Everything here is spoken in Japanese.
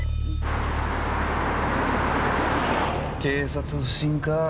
警察不信か。